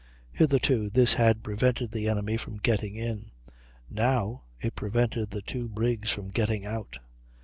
Hitherto this had prevented the enemy from getting in; now it prevented the two brigs from getting out.